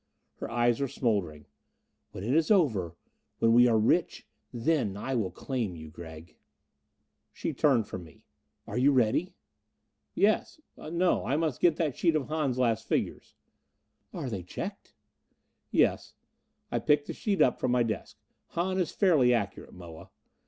Her eyes were smoldering. "When it is over when we are rich then I will claim you, Gregg." She turned from me. "Are you ready?" "Yes. No! I must get that sheet of Hahn's last figures." "Are they checked?" "Yes." I picked the sheet up from my desk. "Hahn is fairly accurate, Moa."